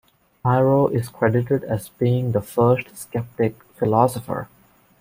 Pyrrho is credited as being the first Skeptic philosopher.